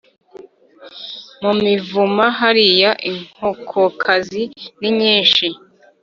Mu mivumu hariya! Inkokokazi ni nyinshi